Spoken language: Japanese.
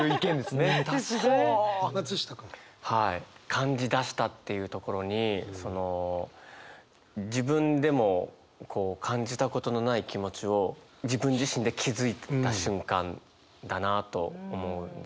「感じだした」っていうところにその自分でもこう感じたことのない気持ちを自分自身で気付いた瞬間だなと思うんですよね。